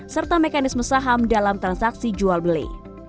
serta mekanisme saham dalam transaksi jual beli